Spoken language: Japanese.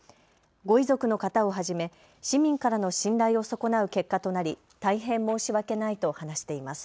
ご遺族の方をはじめ市民からの信頼を損なう結果となり大変申し訳ないと話しています。